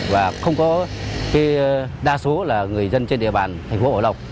và không có cái đa số là người dân trên địa bàn thành phố hồ đồng